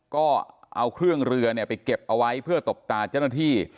ก็เอาเครื่องเรือไปเก็บเอาไว้เพื่อตบตาเจ้าหน้าที่